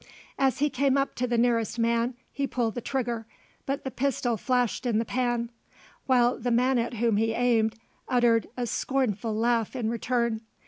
As he came up to the nearest man, he pulled the trigger, but the pistol flashed in the pan; while the man at whom he aimed uttered a scornful laugh in return.